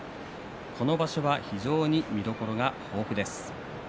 この場所は見どころ豊富です。